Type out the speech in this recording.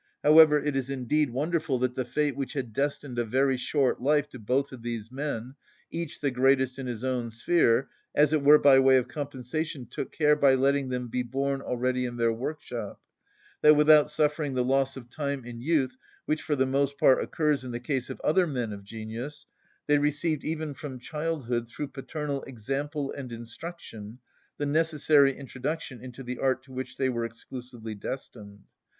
However, it is indeed wonderful that the fate which had destined a very short life to both of these men, each the greatest in his own sphere, as it were by way of compensation, took care, by letting them be born already in their workshop, that, without suffering the loss of time in youth which for the most part occurs in the case of other men of genius, they received even from childhood, through paternal example and instruction, the necessary introduction into the art to which they were exclusively destined.